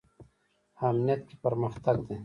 امنیت کې پرمختګ دی